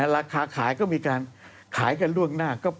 ราคาขายก็มีการขายกันล่วงหน้า